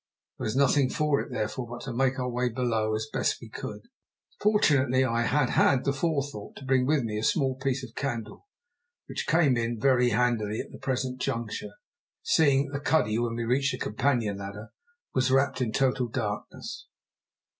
There was nothing for it, therefore, but to make our way below as best we could. Fortunately I had had the forethought to bring with me a small piece of candle, which came in very handily at the present juncture, seeing that the cuddy, when we reached the companion ladder, was wrapt in total darkness.